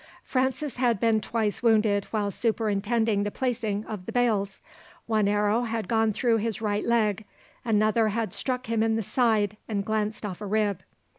Francis had been twice wounded while superintending the placing of the bales. One arrow had gone through his right leg, another had struck him in the side and glanced off a rib.